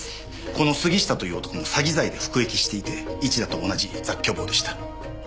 この杉下という男も詐欺罪で服役していて市田と同じ雑居房でした。